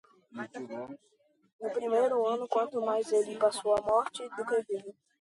No primeiro ano, quanto mais ele passou a morte do que o vivo.